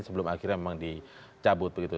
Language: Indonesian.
sebelum akhirnya memang dicabut begitu